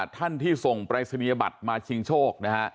ท่านที่ส่งปรายศนียบัตรมาชิงโชคนะฮะ